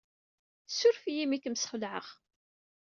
Ssuref-iyi imi ay kem-sxelɛeɣ.